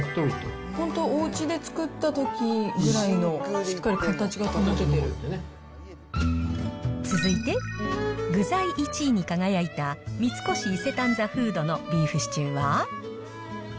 本当おうちで作ったときぐら続いて、具材１位に輝いた三越伊勢丹ザ・フードのビーフシチューは。